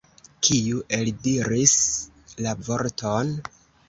Kiu eldiris la vorton?